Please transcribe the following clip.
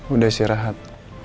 udah sih rahat